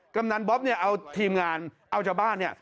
กำนันบ๊อบเนี่ยเอาทีมงานเอาชาวบ้านเนี่ย